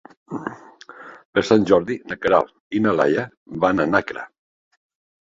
Per Sant Jordi na Queralt i na Laia van a Nàquera.